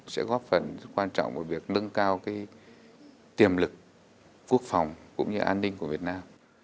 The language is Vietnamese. sẽ góp phần quan trọng vào việc nâng cao tiềm lực quốc phòng cũng như an ninh của việt nam